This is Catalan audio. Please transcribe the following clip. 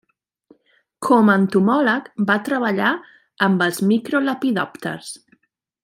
Com a entomòleg, va treballar amb els microlepidòpters.